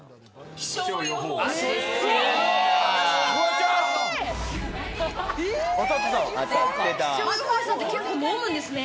気象予報士さんって結構飲むんですね。